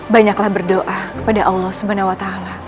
banyaklah berdoa kepada allah swt